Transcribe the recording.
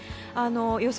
予想